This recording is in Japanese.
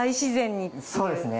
そうですね。